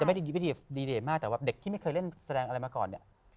ไม่ได้ดีเดทมากแต่ว่าเด็กที่ไม่เคยเล่นแสดงอะไรมาก่อนเนี่ย